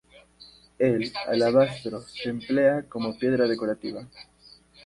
El alabastro se emplea como piedra decorativa.